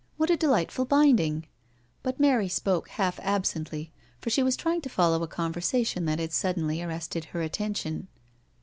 What a delightful binding/' but Mary spoke half absently, for she was trying to follow a conversation that had sud denly arrested her attention.